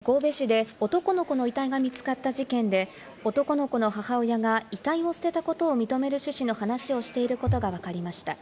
兵庫県神戸市で、男の子の遺体が見つかった事件で、男の子の母親が遺体を捨てたことを認める趣旨の話をしていることがわかりました。